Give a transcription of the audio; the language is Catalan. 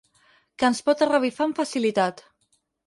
Que ens pot revifar amb facilitat.